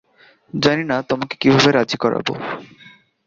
জানি না তোমাকে কীভাবে রাজি করাব!